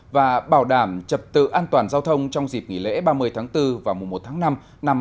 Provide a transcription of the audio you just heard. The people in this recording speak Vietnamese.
và bảo đảm chập tự an toàn giao thông trong dịp nghỉ lễ ba mươi tháng bốn vào mùa một tháng năm năm hai nghìn một mươi chín